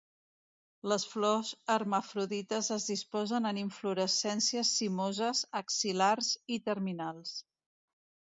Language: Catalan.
Les flors hermafrodites es disposen en inflorescències cimoses, axil·lars i terminals.